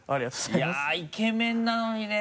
いやイケメンなのにね。